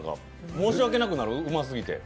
申し訳なくなる、うますぎて。